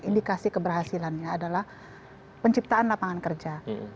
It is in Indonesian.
indikasi keberhasilannya adalah penciptaan lapangan kerja